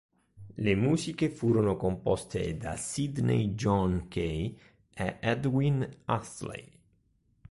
Le musiche furono composte da Sydney John Kay e Edwin Astley.